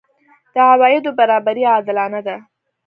د عوایدو برابري عادلانه ده؟